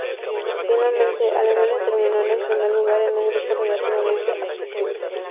Finalmente, Alemania terminó en el primer lugar de un grupo relativamente accesible.